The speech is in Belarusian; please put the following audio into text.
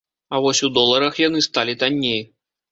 А вось у доларах яны сталі танней.